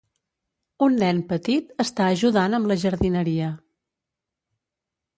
Un nen petit està ajudant amb la jardineria.